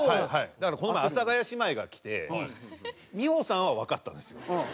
だからこの前阿佐ヶ谷姉妹が来て美穂さんはわかったんですよ。